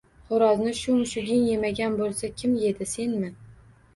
– Xo‘rozni shu mushuging yemagan bo‘lsa, kim yedi? Senmi?